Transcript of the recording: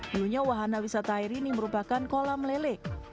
dulunya wahana wisata air ini merupakan kolam lele